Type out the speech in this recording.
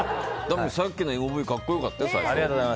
さっきのＭＶ格好良かったよ。